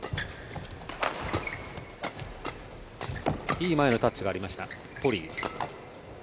いい前のタッチがありましたポリイ。